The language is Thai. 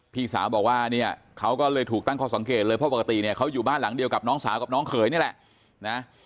พี่สาวบอกว่าเนี่ยเขาก็เลยถูกตั้งข้อสังเกตเลยเพราะปกติเนี่ยเขาอยู่บ้านหลังเดียวกับน้องสาวกับน้องเขยนี่แหละนะ